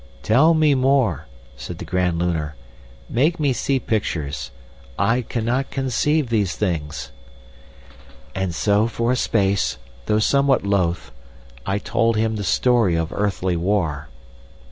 'Tell me more,' said the Grand Lunar; 'make me see pictures. I cannot conceive these things.' "And so, for a space, though something loath, I told him the story of earthly War.